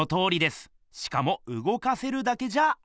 しかもうごかせるだけじゃありません。